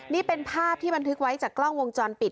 นี่เป็นภาพที่บันทึกไว้จากกล้องวงจรปิด